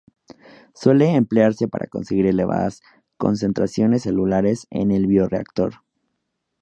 Suele emplearse para conseguir elevadas concentraciones celulares en el biorreactor.